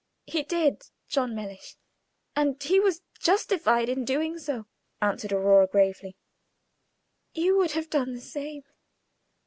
"He did, John Mellish, and he was justified in doing so," answered Aurora, gravely. "You would have done the same."